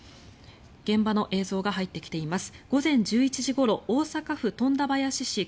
現場の映像が入ってきています。